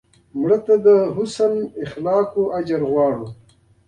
مړه ته د حسن اخلاقو اجر غواړو